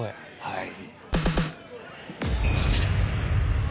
はい！